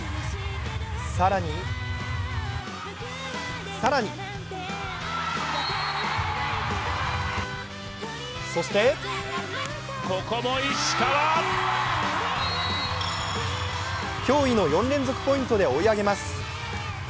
更に、更にそして驚異の４連続ポイントで追い上げます。